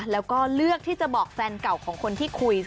แล้วก็เลือกที่จะบอกแฟนเก่าของคนที่คุย